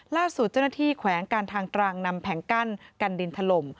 ล่าสุดเจ้าหน้าที่แขวงการทางตรังนำแผงกั้นกันดินถล่ม